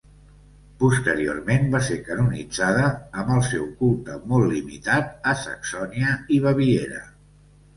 Posteriorment va ser canonitzada, amb el seu culte molt limitat a Saxònia i Baviera.